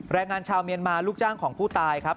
แรงงานชาวเมียนมาลูกจ้างของผู้ตายครับ